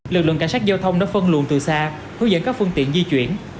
lực lượng cảnh sát giao thông đã phân luồn từ xa hướng dẫn các phương tiện di chuyển